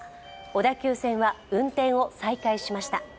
小田急線は運転を再開しました。